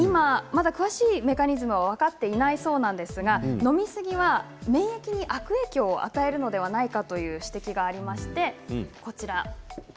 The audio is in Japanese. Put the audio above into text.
詳しいメカニズムはまだ分かっていませんが飲みすぎは免疫に悪影響を与えるのではないかという指摘があります。